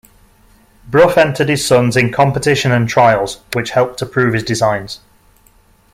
Brough entered his sons in competition and trials, which helped to prove his designs.